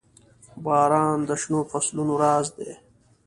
• باران د شنو فصلونو راز دی.